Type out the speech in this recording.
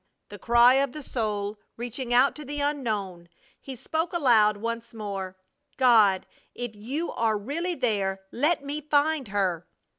the cry of the soul reaching out to the unknown, he spoke aloud once more: "God, if You are really there, let me find her!"